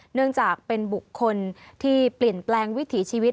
เนื่องจากเป็นบุคคลที่เปลี่ยนแปลงวิถีชีวิต